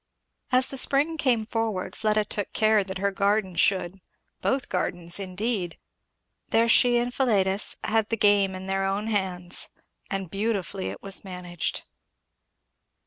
As the spring came forward Fleda took care that her garden should, both gardens indeed. There she and Philetus had the game in their own hands, and beautifully it was managed.